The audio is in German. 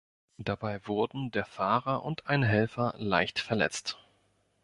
Dabei wurden der Fahrer und ein Helfer leicht verletzt.